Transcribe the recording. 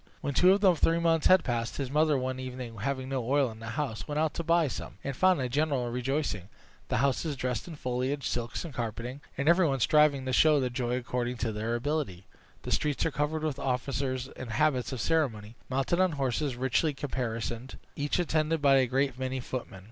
When two of the three months were passed, his mother one evening, having no oil in the house, went out to buy some, and found a general rejoicing the houses dressed with foliage, silks, and carpeting, and every one striving to show their joy according to their ability. The streets were crowded with officers in habits of ceremony, mounted on horses richly caparisoned, each attended by a great many footmen.